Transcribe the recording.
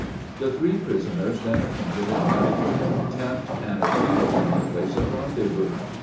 The three prisoners then appointed a night for their attempt, and agreed upon a place of rendezvous.